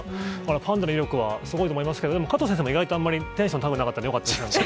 パンダの威力はすごいと思いますけど、でも加藤先生も意外とテンション高くなかったから、よかった。